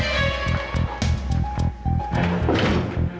gak akan kecil